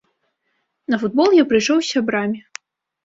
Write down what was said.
На футбол я прыйшоў з сябрамі.